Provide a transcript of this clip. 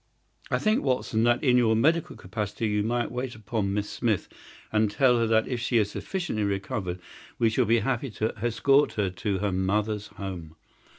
I think, Watson, that in your medical capacity you might wait upon Miss Smith and tell her that if she is sufficiently recovered we shall be happy to escort her to her mother's home.